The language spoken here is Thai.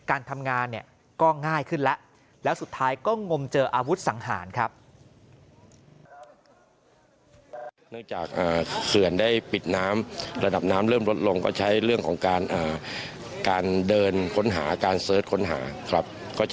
การทำงานเนี่ยก็ง่ายขึ้นแล้วแล้วสุดท้ายก็งมเจออาวุธสังหารครับ